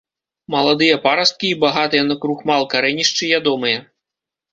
Маладыя парасткі і багатыя на крухмал карэнішчы ядомыя.